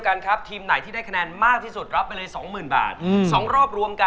กินเฉพาะย่าอ่อนเท่านั้นครับผม